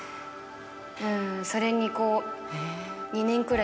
うんそれにこう。